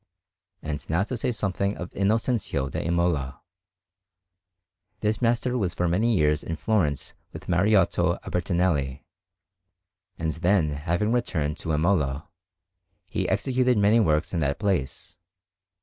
And now to say something of Innocenzio da Imola. This master was for many years in Florence with Mariotto Albertinelli; and then, having returned to Imola, he executed many works in that place.